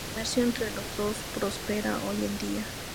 El comercio entre los dos prospera hoy en día.